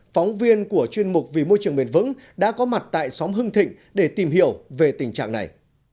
phóng viên của chuyên mục vì môi trường bền vững đã có mặt tại xóm hưng thịnh để tìm hiểu về tình trạng này